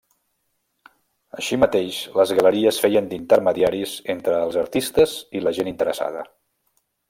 Així mateix les Galeries feien d'intermediaris entre els artistes i la gent interessada.